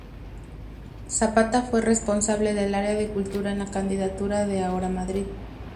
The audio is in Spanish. Zapata fue responsable del área de cultura en la candidatura de Ahora Madrid.